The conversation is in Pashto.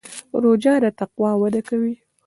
روژه د تقوا وده کوي.